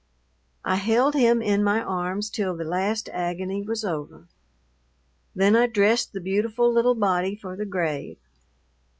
I held him in my arms till the last agony was over. Then I dressed the beautiful little body for the grave.